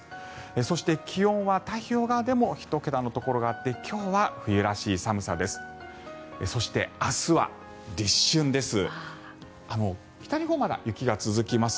そして、気温は太平洋側でも１桁のところがあって今日は冬らしい寒さです。